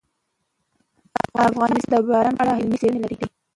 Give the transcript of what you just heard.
افغانستان د باران په اړه علمي څېړنې لري.